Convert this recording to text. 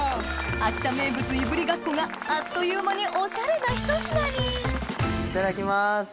秋田名物いぶりがっこがあっという間におしゃれなひと品にいただきます